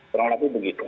terang lagi begitu